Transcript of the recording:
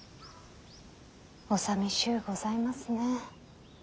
おさみしゅうございますね。